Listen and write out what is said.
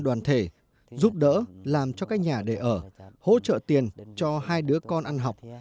đoàn thể giúp đỡ làm cho các nhà để ở hỗ trợ tiền cho hai đứa con ăn học